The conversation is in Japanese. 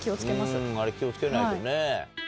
あれ気を付けないとね。